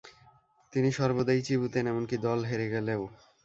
তিনি সর্বদাই চিবুতেন; এমনকি দল হেরে গেলেও।